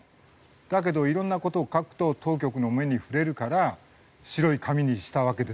だけど色んな事を書くと当局の目に触れるから白い紙にしたわけですよね。